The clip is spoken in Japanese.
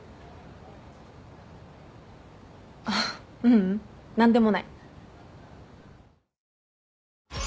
あっううん何でもない。